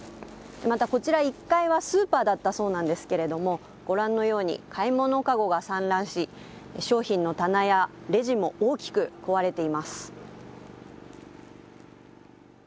またこちら、１階はスーパーだったそうなんですけれども、ご覧のように買い物かごが散乱し、商品の棚やレジも大きく壊れています。